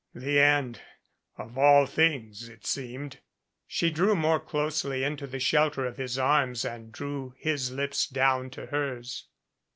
"The end of all things, it seemed." She drew more closely into the shelter of his arms and drew his lips down to hers.